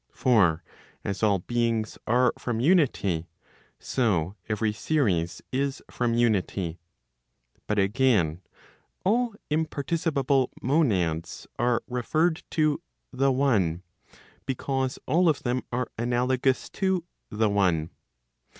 For as all beings are from unity, so every series is from unity. But again, all imparticipable monads are referred to the one; because all of them are analogous to the one.